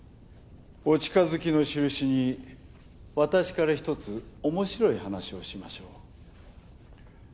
お近づきの印に私からひとつ面白い話をしましょう。